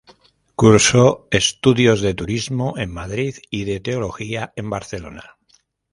Cursó estudios de turismo en Madrid y de teología en Barcelona.